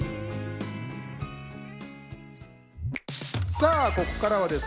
さあここからはですね